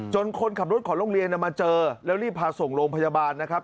คนขับรถของโรงเรียนมาเจอแล้วรีบพาส่งโรงพยาบาลนะครับ